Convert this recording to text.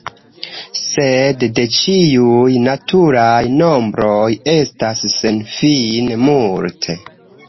Sed de ĉiuj naturaj nombroj estas senfine multe.